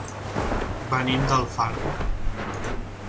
Venim d'Alfarb.